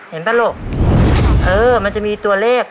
ป่ะลูกเออมันจะมีตัวเลข